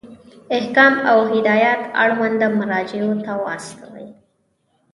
احکام او هدایات اړونده مرجعو ته واستوئ.